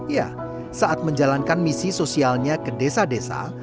ya saat menjalankan misi sosialnya ke desa desa